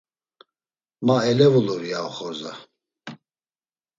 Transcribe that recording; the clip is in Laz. “Ma elevulur” ya oxorza.